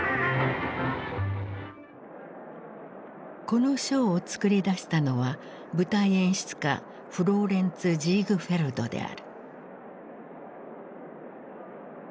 このショーを作り出したのは舞台演出家フローレンツ・ジーグフェルドである。